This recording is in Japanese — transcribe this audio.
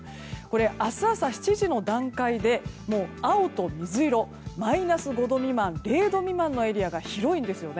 明日朝７時の段階で青と水色マイナス５度未満０度未満のエリアが広いんですよね。